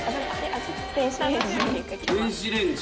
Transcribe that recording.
電子レンジ？